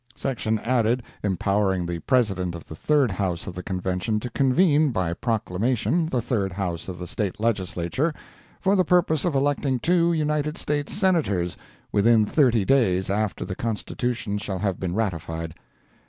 Section added empowering the President of the Third House of the Convention to convene, by proclamation, the Third House of the State Legislature, for the purpose of electing two United States Senators, within thirty days after the Constitution shall have been ratified.